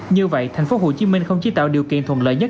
như vậy tp hcm không chỉ tạo điều kiện thuận lợi nhất